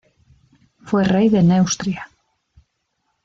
Fue rey de Neustria.